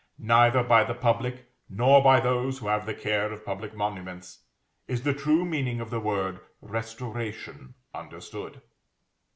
Neither by the public, nor by those who have the care of public monuments, is the true meaning of the word restoration understood.